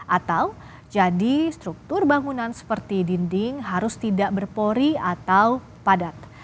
atau jadi struktur bangunan seperti dinding harus tidak berpori atau padat